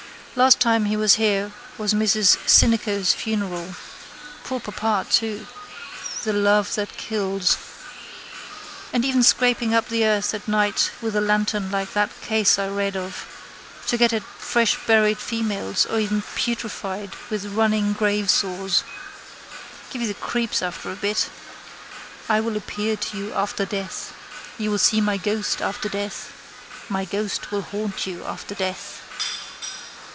Last time I was here was Mrs Sinico's funeral. Poor papa too. The love that kills. And even scraping up the earth at night with a lantern like that case I read of to get at fresh buried females or even putrefied with running gravesores. Give you the creeps after a bit. I will appear to you after death. You will see my ghost after death. My ghost will haunt you after death.